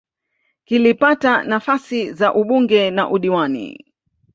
kilipata nafasi za ubunge na udiwani